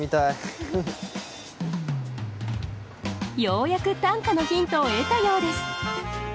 ようやく短歌のヒントを得たようです